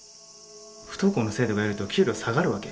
不登校の生徒がいると給料下がるわけ？